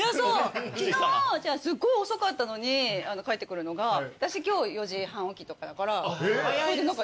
昨日すっごい遅かったのに帰ってくるのが私今日４時半起きとかだから一緒に起きちゃって。